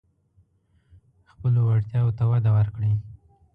خپلو وړتیاوو ته وده ورکړئ.